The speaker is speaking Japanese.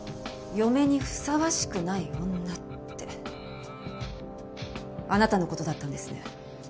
嫁にふさわしくない女ってあなたの事だったんですね。